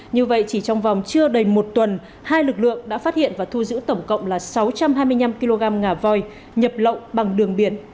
như vậy chỉ trong vòng chưa đầy một tuần hai lực lượng đã phát hiện và thu giữ tổng cộng là sáu trăm hai mươi năm kg ngà voi nhập lậu bằng đường biển